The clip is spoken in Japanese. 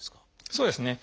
そうですね。